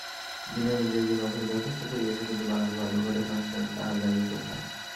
বিনয় ইংরেজি নভেল যথেষ্ট পড়িয়াছে, কিন্তু বাঙালি ভদ্রঘরের সংস্কার তাহার যাইবে কোথায়?